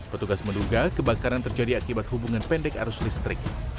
petugas menduga kebakaran terjadi akibat hubungan pendek arus listrik